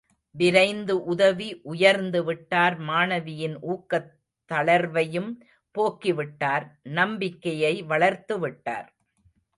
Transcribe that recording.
விரைந்து உதவி, உயர்ந்து விட்டார் மாணவியின் ஊக்கத் தளர்வையும் போக்கி விட்டார் நம்பிக்கையை வளர்த்துவிட்டார்.